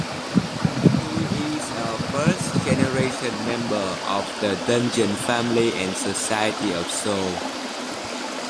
He is a first-generation member of the Dungeon Family and Society of Soul.